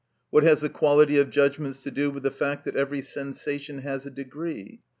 What has the quality of judgments to do with the fact that every sensation has a degree?